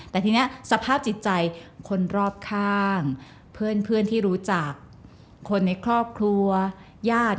แต่ทีนี้สภาพจิตใจคนรอบข้างเพื่อนที่รู้จักคนในครอบครัวญาติ